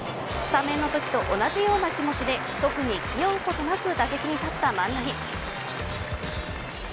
スタメンのときと同じような気持ちで特に気負おうことなく打席に立った万波。